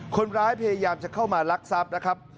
พยายามจะเข้ามาลักทรัพย์นะครับ